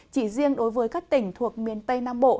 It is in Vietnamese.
chỉ riêng đối với các tỉnh thuộc miền tây nam bộ